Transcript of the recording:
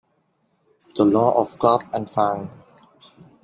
The Law of Club and Fang